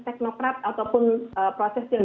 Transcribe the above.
teknokrat ataupun proses yang